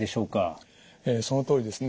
そのとおりですね。